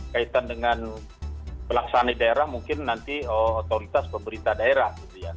kaitan dengan pelaksanaan daerah mungkin nanti otoritas pemerintah daerah